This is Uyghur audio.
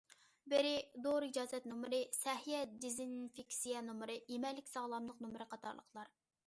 بىرى، دورا ئىجازەت نومۇرى، سەھىيە دېزىنفېكسىيە نومۇرى، يېمەكلىك ساغلاملىق نومۇرى قاتارلىقلار.